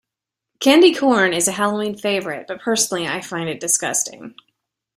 Candy corn is a Halloween favorite, but personally I find it disgusting.